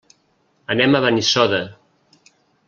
Anem a Benissoda.